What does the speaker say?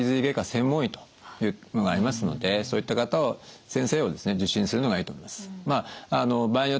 外科専門医というのがありますのでそういった先生をですね受診するのがいいと思います。